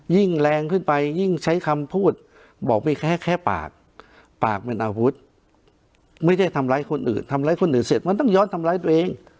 ไม่ได้ทำร้ายคนอื่นทำร้ายคนอื่นเสร็จมันต้องย้อนทำร้ายตัวเอง